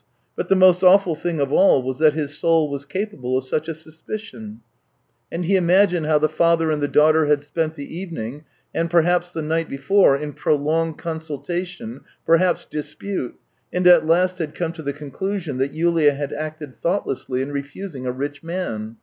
But the most awful thing of all was that his soul was capable of such a suspicion 2o8 THE TALES OF TCHEHOV And he imagined how the father and the daughter had spent the evening, and perhaps the night before, in prolonged consultation, perhaps dispute, and at last had come to the conclusion that Yulia had acted thoughtlessly in refusing a rich man.